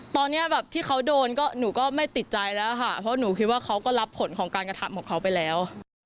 ตอนนี้แบบที่เขาโดนก็หนูก็ไม่ติดใจแล้วค่ะเพราะหนูคิดว่าเขาก็รับผลของการกระทำของเขาไปแล้ว